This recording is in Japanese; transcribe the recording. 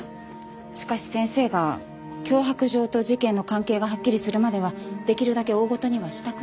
しかし先生が脅迫状と事件の関係がはっきりするまではできるだけ大ごとにはしたくないと。